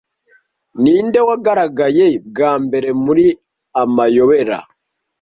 Ninde wagaragaye bwa mbere muri Amayobera